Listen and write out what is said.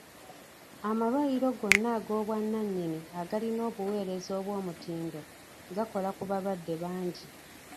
Amalwaliro gonna ag'obwannanyini agalina obuweereza obw'omutindo gakola ku balwadde bangi.